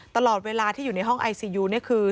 ตลอดเวลาที่อยู่ในห้องไอซียูเนี่ยคือ